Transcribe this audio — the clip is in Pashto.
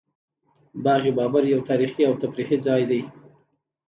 باغ بابر یو تاریخي او تفریحي ځای دی